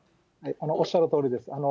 おっしゃるとおりです。